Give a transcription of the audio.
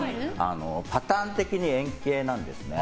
パターン的に円形なんですね。